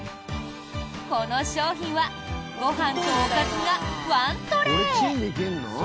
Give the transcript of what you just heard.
この商品はご飯とおかずがワントレー。